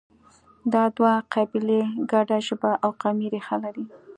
دا دوه قبیلې ګډه ژبه او قومي ریښه لري.